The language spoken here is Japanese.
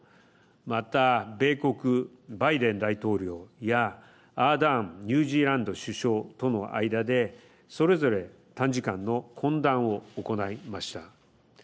また米国バイデン大統領やアーダーンニュージーランド首相との間でそれぞれ短時間の懇談を行いました。